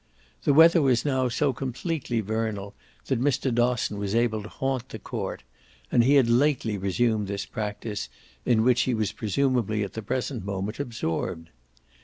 The weather was now so completely vernal that Mr. Dosson was able to haunt the court, and he had lately resumed this practice, in which he was presumably at the present moment absorbed.